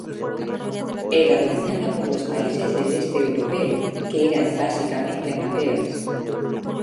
Era dominada por los países del este europeo, que eran básicamente amateurs.